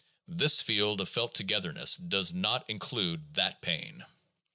This field of felt togetherness does not include that pain.